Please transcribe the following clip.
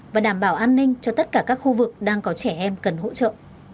và đảm bảo an ninh cho tất cả các khu vực đang có trẻ em cần hỗ trợ